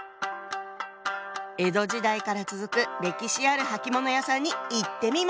江戸時代から続く歴史あるはきもの屋さんに行ってみましょう。